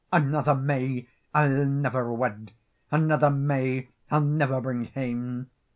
"Another may I'll never wed, Another may I'll never bring hame."